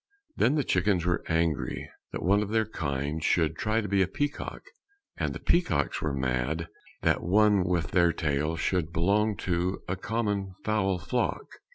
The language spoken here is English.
Then the chickens were angry that one of their kind Should try to be a peacock; And the peacocks were mad that one with their tail Should belong to a common fowl flock.